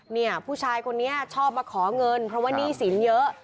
เนี่ยผู้ชายคนนี้ชอบมาขอเงินเพราะว่าหนี้สินเยอะ